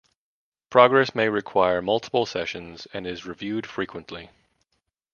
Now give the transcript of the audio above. Progress may require multiple sessions and is reviewed frequently.